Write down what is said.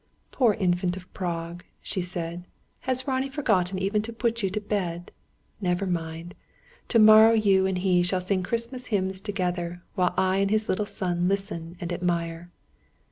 "Poor Infant of Prague!" she said. "Has Ronnie forgotten even to put you to bed? Never mind! To morrow you and he shall sing Christmas hymns together, while I and his little son listen and admire."